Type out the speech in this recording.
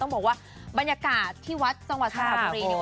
ต้องบอกว่าบรรยากาศที่วัดสระบุรี